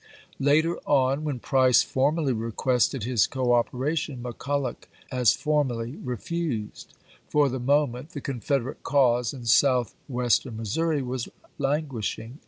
Later on, when Price formally requested his cooperation, McCulloch as formally refused. For the moment the Confederate cause in South western Missouri was languishing.